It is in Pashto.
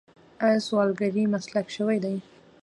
آیا سوالګري مسلک شوی دی؟